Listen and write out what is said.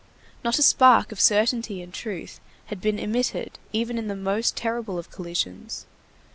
Not a spark of certainty and truth had been emitted even in the most terrible of collisions.